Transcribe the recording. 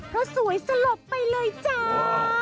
เพราะสวยสลบไปเลยจ้า